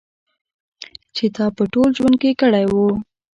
چې تا په ټول ژوند کې کړی و.